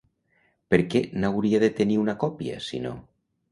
Per què n'hauria de tenir una còpia, sinó?